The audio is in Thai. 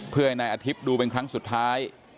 เพื่อให้นายอาทิตย์ดูเป็นครั้งสุดท้าย